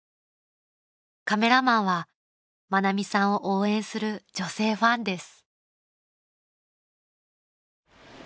［カメラマンは愛美さんを応援する女性ファンです］